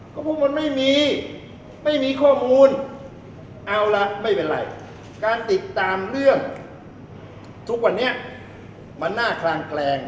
ก็พวกมันไม่มีไม่มีข้อมูลเอาละไม่เป็นไรการติดตามเรื่องทุกวันนี้มันน่าคลางแคลง